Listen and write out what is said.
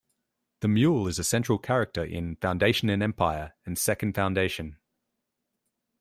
The Mule is a central character in "Foundation and Empire" and "Second Foundation".